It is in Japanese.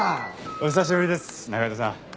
お久しぶりです仲井戸さん。